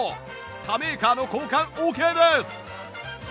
他メーカーの交換オーケーです